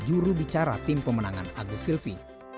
jurubicara tim pemenangan agus silvi